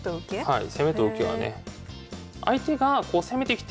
はい。